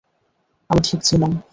আমি ঠিক ছিলাম!